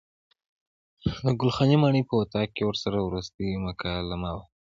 د ګل خانې ماڼۍ په اطاق کې ورسره وروستۍ مکالمه وه.